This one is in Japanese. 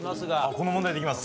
この問題でいきます。